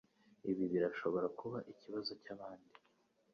Ibi birashobora kuba ikibazo cyabandi.